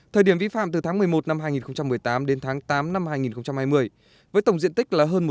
thời điểm vi phạm từ tháng một mươi một năm hai nghìn một mươi tám đến tháng tám năm hai nghìn hai mươi với tổng diện tích là hơn một trăm tám mươi một m hai